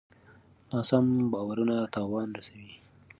ناسم باورونه تاوان رسوي.